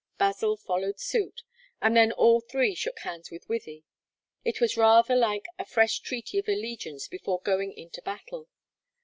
Basil followed suit, and then all three shook hands with Wythie it was rather like a fresh treaty of allegiance before going into battle.